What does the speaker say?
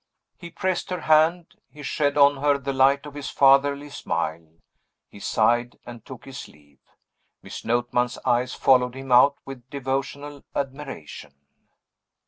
He pressed her hand; he shed on her the light of his fatherly smile; he sighed, and took his leave. Miss Notman's eyes followed him out with devotional admiration.